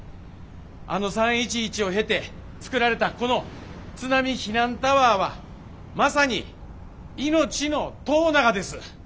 あの３．１１を経て造られたこの津波避難タワーはまさに命の塔ながです。